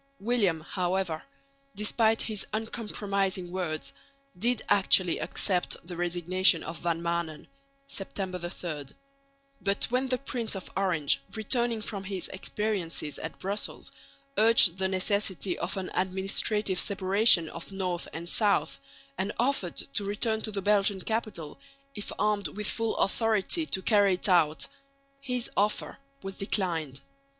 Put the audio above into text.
William, however, despite his uncompromising words, did actually accept the resignation of Van Maanen (September 3); but when the Prince of Orange, returning from his experiences at Brussels, urged the necessity of an administrative separation of north and south, and offered to return to the Belgian capital if armed with full authority to carry it out, his offer was declined.